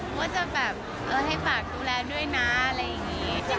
ว่าจะแบบให้ฝากดูแลด้วยนะอะไรอย่างนี้